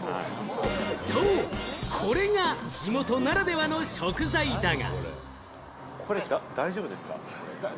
そう、これが地元ならではの食材だが。